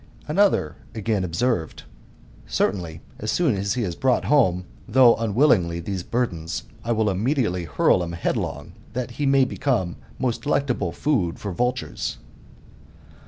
Another again observed : Certainly, as soon as he has brought home, though unwillingly, these burdens, I will imme diately hurl him headlong, that he may become most delectable food for vultures.